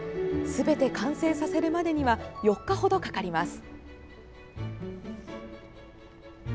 すべて完成させるまでには４日ほどかかります。